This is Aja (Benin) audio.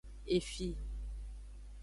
Efi.